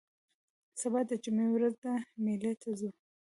سبا د جمعې ورځ ده مېلې ته ځو